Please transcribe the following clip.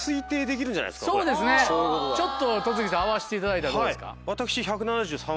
ちょっと戸次さん合わせていただいたらどうですか。